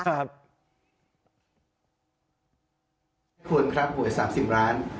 ขอบคุณครับหวย๓๐ล้าน